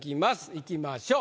いきましょう。